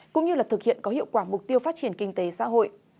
cũng như là thực hiện có hiệu quả mục tiêu phát triển kinh tế xã hội